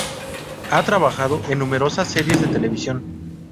Ha trabajado en numerosas series de televisión.